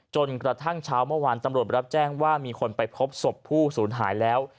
จนกระทั่งเช้าเมื่อวานตำรวจรับแจ้งว่ามีคนไปพบศพผู้สูญหายแล้ว